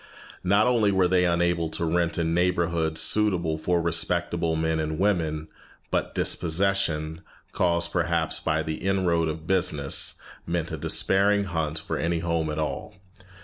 Not only were they unable to rent in neighborhoods suitable for respectable men and women, but dispossession, caused perhaps by the inroad of business, meant a despairing hunt for any home at all.